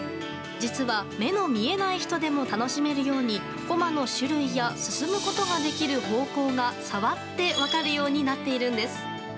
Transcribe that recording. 実は、目の見えない人でも楽しめるように駒の種類や進むことができる方向が触って分かるようになっているんです。